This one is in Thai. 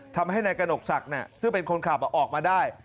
ทำให้นายกนกศักดิ์นะฮะที่เป็นคนขับออกมาได้